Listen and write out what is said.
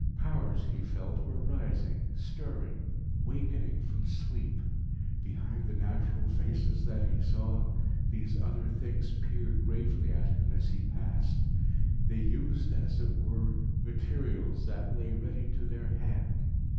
Powers, he felt, were rising, stirring, wakening from sleep. Behind the natural faces that he saw, these other things peered gravely at him as he passed. They used, as it were, materials that lay ready to their hand.